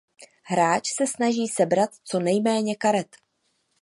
Hráč se snaží sebrat co nejméně karet.